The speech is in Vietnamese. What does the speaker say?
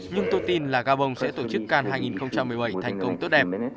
nhưng tôi tin là gabon sẽ tổ chức can hai nghìn một mươi bảy thành công tốt đẹp